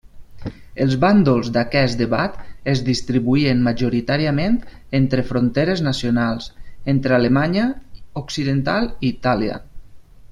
Els bàndols d'aquest debat es distribuïen majoritàriament entre fronteres nacionals, entre Alemanya Occidental i Itàlia.